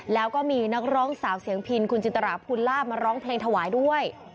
แล้วก็มีนักร้องสาวเสียงพินคุณจินตราภูลลาบมาร้องเพลงถวายด้วย